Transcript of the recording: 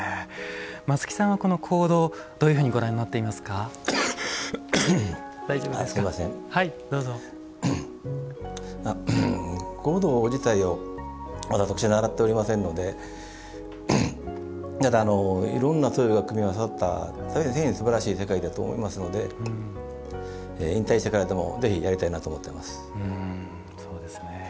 松木さんは、香道をどういうふうにご覧になっていますか？香道自体を私、習っておりませんのでいろんなものが組み合わさった大変、すばらしい世界だと思いますので、引退してからでもぜひやりたいなと思っております。